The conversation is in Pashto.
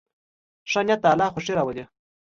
ښه نیت د الله خوښي راولي.